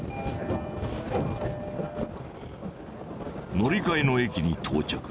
乗り換えの駅に到着。